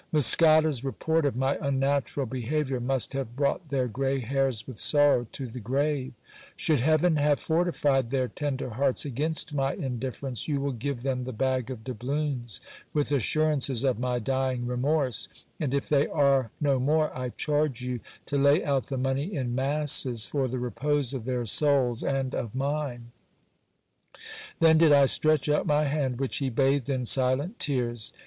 Muscada's report of my unnatural be haviour must have brought their grey hairs with sorrow to the grave. Should I leaven have fortified their tender hearts against my indifference, you will give them the bag of doubloons, with assurances of my dying remorse : and, if they are no more, I charge you to lay out the money in masses for the repose of their souls and of mine Then did I stretch out my hand, which he bathed in silent tears.